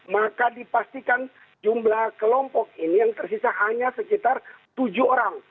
maka dipastikan jumlah kelompok ini yang tersisa hanya sekitar tujuh orang